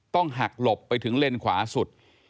ต้องหักหลบไปถึงเลนขวาสุด